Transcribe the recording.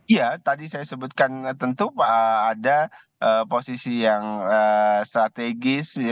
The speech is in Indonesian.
ya tadi saya sebutkan tentu ada posisi yang strategis